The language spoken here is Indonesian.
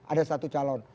ada satu calon